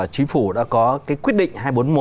chính phủ đã có quyết định hai trăm bốn mươi một